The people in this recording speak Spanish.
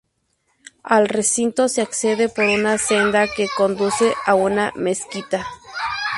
Al recinto se accede por una senda que conduce a una mezquita.